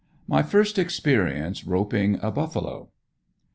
MY FIRST EXPERIENCE ROPING A BUFFALO.